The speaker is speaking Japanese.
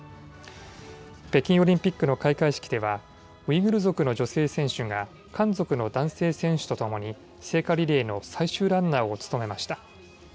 北京オリンピックの開会式ではウイグル族の女性選手が漢族の男性選手とともに聖火リレーの最終ランナーを務めました。